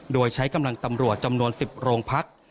โดยใช้กำลังตำรวจจำนวน๑๐โรงพัก